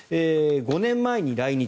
５年前に来日。